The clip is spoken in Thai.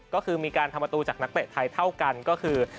ก็คือมีการทำประตูจากนักเตะไทยเท่ากันก็คือ